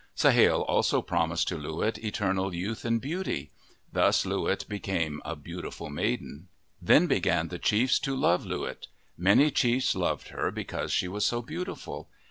Sahale also promised to Loo wit eternal youth and beauty. Thus Loo wit became a beautiful maiden. Then began the chiefs to love Loo wit. Many chiefs loved her because she was so beautiful.